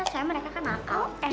soalnya mereka kan nakal